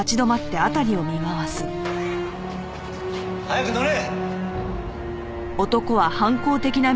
早く乗れ！